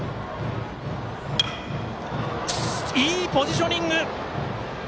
いいポジショニング。